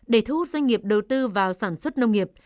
để thu hút doanh nghiệp đầu tư vào sản xuất nông nghiệp